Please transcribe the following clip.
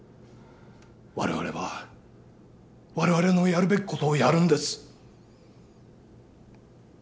我々は我々のやるべきことをやるんです。